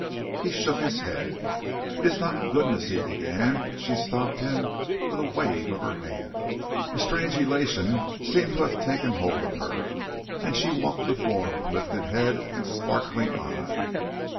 He shook his head. "It is not goodness," he began, but she stopped him with a wave of her hand. A strange elation seemed to have taken hold of her, and she walked the floor with lifted head and sparkling eye.